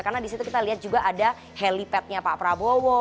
karena di situ kita lihat juga ada helipadnya pak prabowo